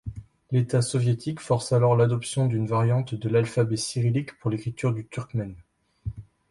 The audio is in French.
L’État soviétique force alors l’adoption d’une variante de l’alphabet cyrillique pour l’écriture du turkmène.